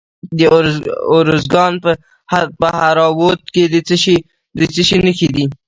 د ارزګان په دهراوود کې د څه شي نښې دي؟